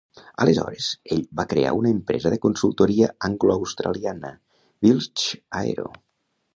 Aleshores, ell va crear una empresa de consultoria anglo-australiana, "Wilksch Aero".